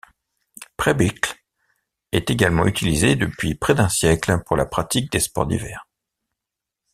Präbichl est également utilisé depuis près d'un siècle pour la pratique des sports d'hiver.